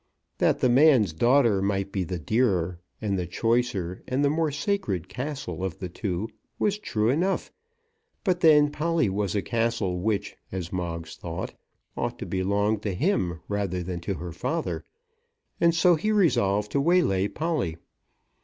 That the man's daughter might be the dearer and the choicer, and the more sacred castle of the two, was true enough; but then Polly was a castle which, as Moggs thought, ought to belong to him rather than to her father. And so he resolved to waylay Polly.